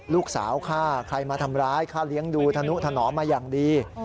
ลูกสาวฆ่าใครมาทำร้ายค่าเลี้ยงดูธนุถนอมมาอย่างดี